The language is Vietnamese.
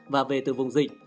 và về từ vùng dịch